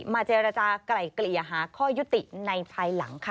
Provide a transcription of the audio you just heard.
เจรจากลายเกลี่ยหาข้อยุติในภายหลังค่ะ